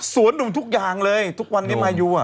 หนุ่มทุกอย่างเลยทุกวันนี้มายูอ่ะ